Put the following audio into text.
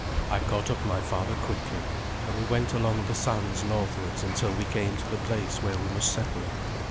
I caught up my father quickly, and we went along the sands northwards until we came to the place where we must separate.